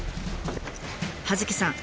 葉月さん